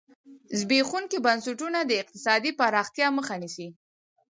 زبېښونکي بنسټونه د اقتصادي پراختیا مخه نیسي.